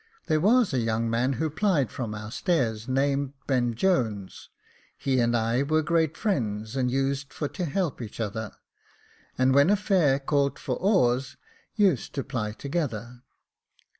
There was a young man who plied from our stairs, named Ben Jones ; he and I were great friends, and used for to help each other, and when a fare called for oars, used to ply together.